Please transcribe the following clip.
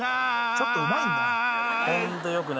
ちょっとうまいんだな